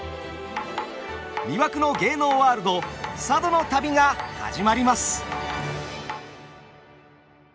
魅惑の芸能ワールド佐渡の旅が始まります。